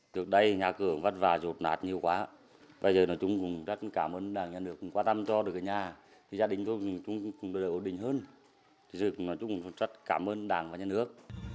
từ đây nhà cửa vắt và rột nạt nhiều quá bây giờ nói chung cũng rất cảm ơn đảng và nhân hước quan tâm cho được nhà gia đình tôi cũng đều ổn định hơn nói chung cũng rất cảm ơn đảng và nhân hước